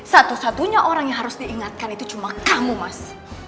satu satunya orang yang harus diingatkan itu cuma kamu mas